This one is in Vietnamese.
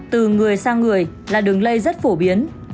từ người sang người là đường lây rất phổ biến